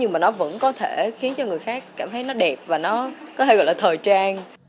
nhưng mà nó vẫn có thể khiến cho người khác cảm thấy nó đẹp và nó có thể gọi là thời trang